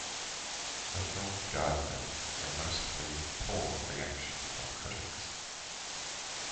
The film garnered a mostly poor reaction from critics.